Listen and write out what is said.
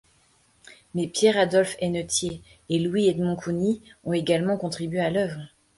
Mais Pierre Adolph Hennetier et Louis Edmond Cougny ont également contribué à l'œuvre.